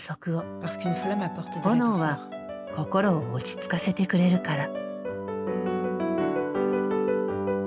炎は心を落ち着かせてくれるから。